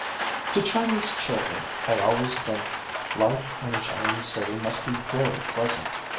To Chinese children I always think life in a Chinese city must be very pleasant.